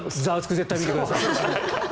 絶対見てください。